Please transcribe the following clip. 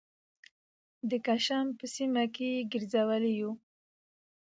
د کشم په سیمه کې یې ګرځولي یوو